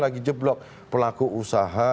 lagi jeblok pelaku usaha